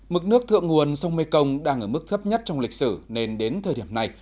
mực nước thượng nguồn sông mekong đang ở mức thấp nhất trong lịch sử nên đến thời điểm này